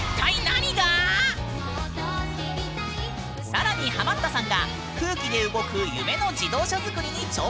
更にハマったさんが空気で動く夢の自動車作りに挑戦！